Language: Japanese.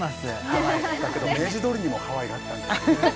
ハワイの企画明治通りにもハワイがあったんですね